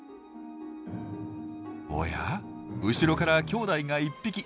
おや後ろからきょうだいが１匹。